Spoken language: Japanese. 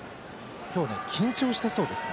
今日は緊張したそうです。